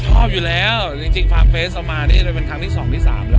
ชอบอยู่แล้วจริงฟาร์เฟสเรามานี่จะเป็นครั้งที่สองที่สามแล้ว